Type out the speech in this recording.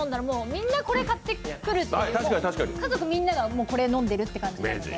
みんなこれ買ってくるという、家族みんながこれを飲んでるっていう感じなので。